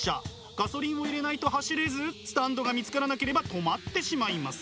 ガソリンを入れないと走れずスタンドが見つからなければ止まってしまいます。